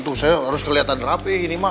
tuh saya harus kelihatan rapih ini mak